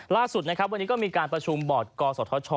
ล่าสุดนะครับวันนี้ก็มีการประชุมบอร์ดกศธช